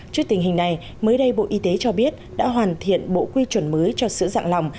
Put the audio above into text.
trước tình hình này mới đây bộ y tế cho biết đã hoàn thiện bộ quy chuẩn mới cho sữa dạng lỏng